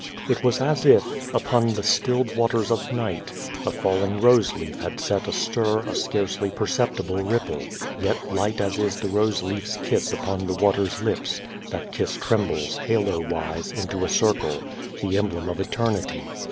It was as if, upon the stilled waters of night, a falling rose leaf had set a stir a scarcely perceptible ripple. Yet light as is the rose leafs kiss upon the water's lips that kiss trembles, halo wise, into a circle, the emblem of eternity.